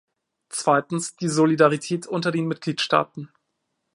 Zweitens, die Solidarität unter den Mitgliedstaaten.